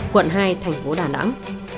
quận hai tp đà nẵng